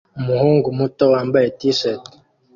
Umuhungu muto wambaye t-shirt